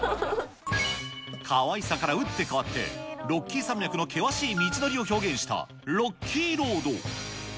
かわいさから打って変わって、ロッキー山脈の険しい道のりを表現したロッキーロード。